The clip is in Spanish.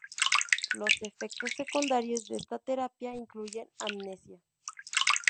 Los efectos secundarios de esta terapia incluyen amnesia.